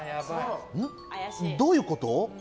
どういうこと？